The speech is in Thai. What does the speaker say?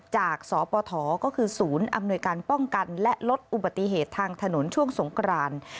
จากสปทก็คือศูนย์อำนวยการป้องกันและลดอุบัติเหตุทางถนนช่วงสงกราน